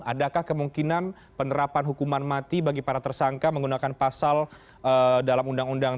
adakah kemungkinan penerapan hukuman mati bagi para tersangka menggunakan pasal dalam undang undang